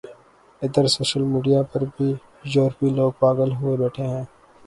ادھر social media پر بھی ، یورپی لوگ پاغل ہوئے بیٹھے ہیں ۔